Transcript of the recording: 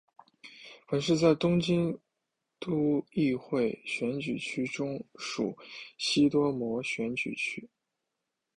本市在东京都议会选举区中属西多摩选举区。